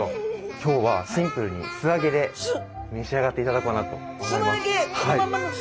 今日はシンプルに素揚げで召し上がっていただこうかなと思います。